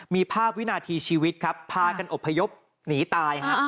มีภาพวินาทีชีวิตครับพากันอบพยพหนีตายฮะ